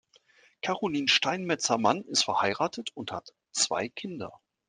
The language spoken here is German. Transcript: Carolin Steinmetzer-Mann ist verheiratet und hat zwei Kinder.